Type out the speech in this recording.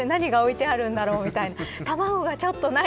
何が置いてあるんだろみたいな。